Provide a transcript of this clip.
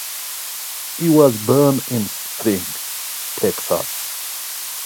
He was born in Spring, Texas.